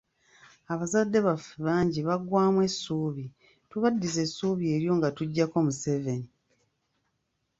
Abazadde baffe bangi baggwaamu essuubi, tubaddize essuubi eryo nga tuggyako Museveni.